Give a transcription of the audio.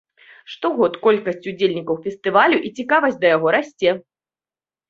Штогод колькасць удзельнікаў фестывалю і цікавасць да яго расце.